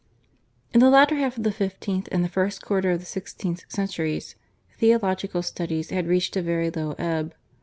In the latter half of the fifteenth and the first quarter of the sixteenth centuries theological studies had reached a very low ebb.